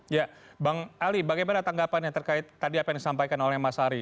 ya bang ali bagaimana tanggapannya terkait tadi apa yang disampaikan oleh mas ari